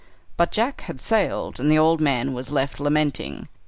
But Jack had sailed, and the old man 'was left lamenting.'